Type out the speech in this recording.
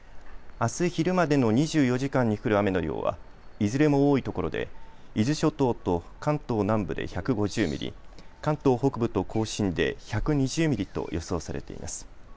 あす昼までの２４時間に降る雨の量はいずれも多いところで伊豆諸島と関東南部で１５０ミリ、関東北部と甲信で１２０ミリと予想されています。